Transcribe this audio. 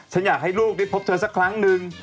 ฉันอยากให้ลูกได้พบเธอสักครั้งนึง